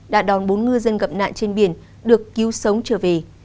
đã đón bốn ngư dân gặp nạn trên biển được cứu sống trở về